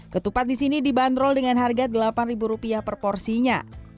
ketupat di sini dibanderol dengan harga delapan ribu rupiah per porsinya